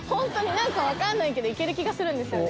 何か分かんないけど行ける気がするんですよね